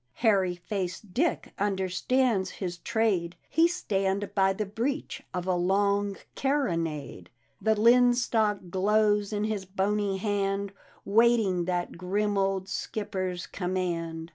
Hairy faced Dick understands his trade; He stand by the breech of a long carronade, The linstock glows in his bony hand, Waiting that grim old Skipper's command.